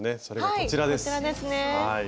こちらですね。